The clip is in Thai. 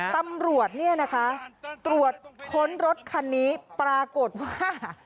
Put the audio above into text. ตำรวจตรวจค้นรถคันนี้ปรากฏว่า